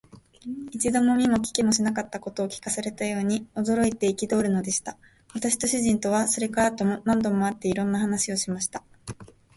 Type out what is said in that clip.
一度も見も聞きもしなかったことを聞かされたように、驚いて憤るのでした。私と主人とは、それから後も何度も会って、いろんな話をしました。